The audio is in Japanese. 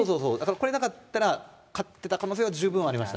これがなかったら勝ってた可能性が十分ありました。